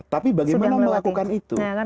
tapi bagaimana melakukan itu